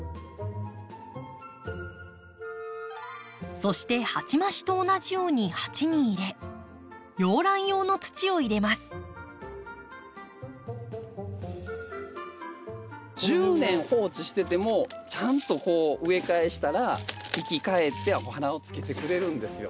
そして鉢増しと同じように鉢に入れ１０年放置しててもちゃんとこう植え替えしたら生き返ってお花をつけてくれるんですよ。